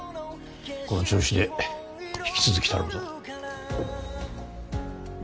この調子で引き続き頼むぞ。